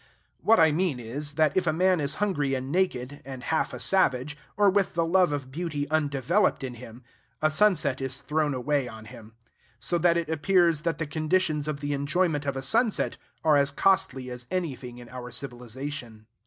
What I mean is, that if a man is hungry and naked, and half a savage, or with the love of beauty undeveloped in him, a sunset is thrown away on him: so that it appears that the conditions of the enjoyment of a sunset are as costly as anything in our civilization.